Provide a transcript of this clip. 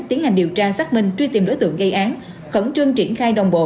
tiến hành điều tra xác minh truy tìm đối tượng gây án khẩn trương triển khai đồng bộ